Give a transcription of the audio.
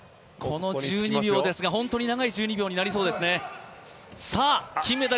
この１２秒ですが本当に長い１２秒になりそうですね。